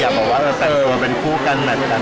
อยากบอกว่าเป็นผู้กันแม่นกันเหรอ